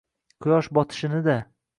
— Quyosh botishini-da.